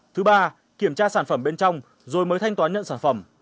thứ ba kiểm tra sản phẩm bên trong rồi mới thanh toán nhận sản phẩm